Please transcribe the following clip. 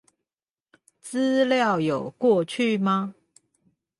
資料有過去嗎